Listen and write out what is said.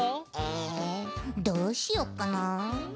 えどうしよっかな。